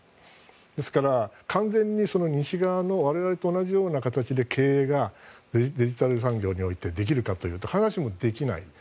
ですから、完全に西側の我々と同じような形でデジタル産業において経営できるかというと必ずしもできない。